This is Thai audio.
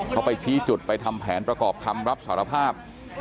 เขาไปชี้จุดไปทำแผนประกอบคำรับสารภาพ